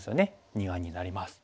二眼になります。